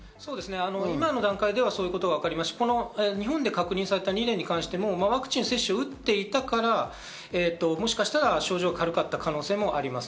今の段階ではそういうことがわかりますし、日本で確認された２例に関してもワクチン接種をしていたから、もしかしたら症状が軽かった可能性があります。